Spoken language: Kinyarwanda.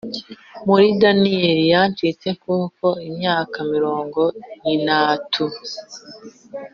mur daniyeli yacitse nkuko imyaka mirongo inatu